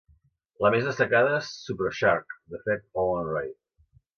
La més destacada és "Super Shark" de Fred Olen Ray.